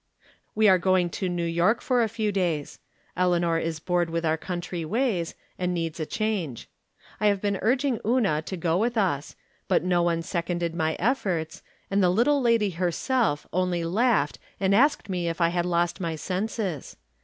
We are going to New York for a few days. Eleanor is bored with our country ways, and needs a change. I have been urging Una to go with us, but no one seconded my efforts, and the little lady herself only laughed and asked me if I had lost my senses.